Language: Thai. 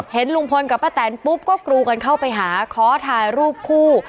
เห็นลุงพลกับป้าแตนปุ๊บก็กรูกันเข้าไปหาขอถ่ายรูปคู่